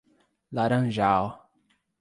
Laranjal